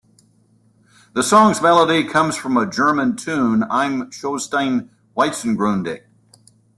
The song's melody comes from a German tune, "Im Schoensten Wiesengrunde".